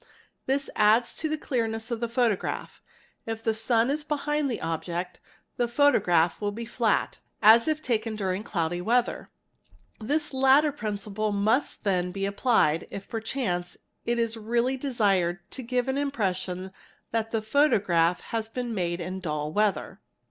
This adds to the clearness of the photograph ; if the sun is behind the object, the photograph will be flat, as if taken during cloudy weather. This ' latter principle must then be applied, if perchance it is really desired to : give an impression that the photograph has been made in dull weather.